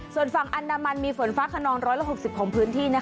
ส่วนฝั่งอันดามันมีฝนฟ้าขนอง๑๖๐ของพื้นที่